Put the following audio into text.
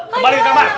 kembali ke kamar